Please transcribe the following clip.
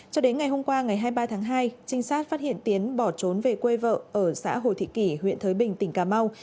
cho đến ngày hôm qua ngày hai mươi ba tháng hai trinh sát phát hiện tiến bỏ trốn về quê vợ ở xã hồ thị kỷ huyện thới bình tỉnh cà mau